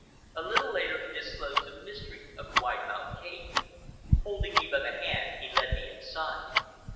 A little later he disclosed the mystery of the wide mouthed cave. Holding me by the hand he led me inside.